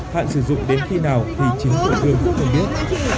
hạn sử dụng đến khi nào thì chỉ một thương không biết